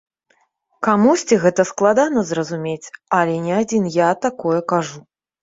Камусьці гэта складана зразумець, але не адзін я такое кажу.